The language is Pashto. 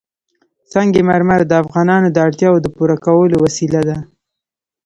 سنگ مرمر د افغانانو د اړتیاوو د پوره کولو وسیله ده.